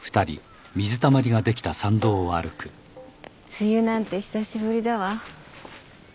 梅雨なんて久しぶりだわ。